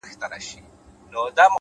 عقلمن انسان د احساساتو بندي نه وي’